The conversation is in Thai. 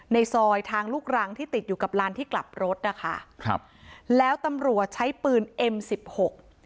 ในซอยทางลูกรังที่ติดอยู่กับลานที่กลับรถนะคะครับแล้วตำรวจใช้ปืนเอ็มสิบหก